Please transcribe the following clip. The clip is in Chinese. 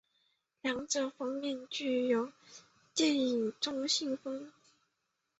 两者封面俱似电影中的信封。